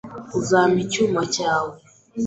Uzampa icyuma cyawe?